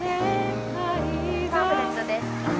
パンフレットです。